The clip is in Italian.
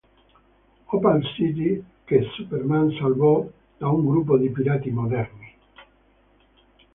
Opal City che Superman salvò da un gruppo di pirati moderni.